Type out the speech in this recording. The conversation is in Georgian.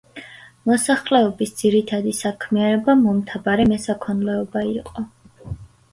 მოსახლეობის ძირითადი საქმიანობა მომთაბარე მესაქონლეობა იყო.